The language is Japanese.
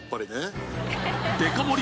デカ盛り